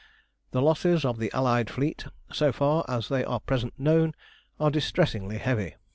The losses of the Allied fleet, so far as they are at present known, are distressingly heavy.